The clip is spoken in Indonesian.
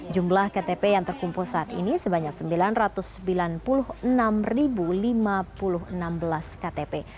jumlah ktp yang terkumpul saat ini sebanyak sembilan ratus sembilan puluh enam lima puluh enam belas ktp